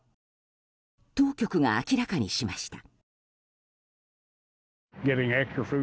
当局が明らかにしました。